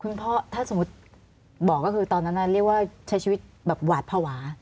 คุณพ่อถ้าสมมุติบอกก็คือตอนนั้นเรียกว่าใช้ชีวิตแบบหวาดภาวะ